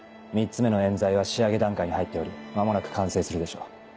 ３つ目の冤罪は仕上げ段階に入っており間もなく完成するでしょう。